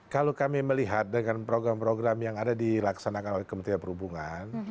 kalau kami melihat dengan program program yang ada dilaksanakan oleh kementerian perhubungan